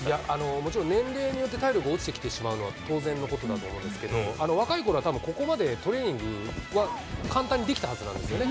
もちろん年齢によって体力落ちてきてしまうのは当然のことだと思うんですけれども、若いころはたぶん、ここまでトレーニングは簡単にできたはずなんですね。